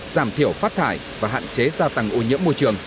giảm thiểu phát thải và hạn chế gia tăng ô nhiễm môi trường